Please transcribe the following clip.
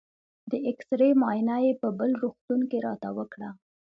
د اېکسرې معاینه یې په بل روغتون کې راته وکړه.